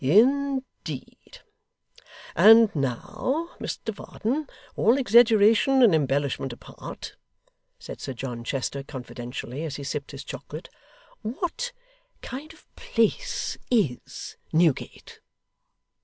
'In deed! And now, Mr Varden, all exaggeration and embellishment apart,' said Sir John Chester, confidentially, as he sipped his chocolate, 'what kind of place IS Newgate?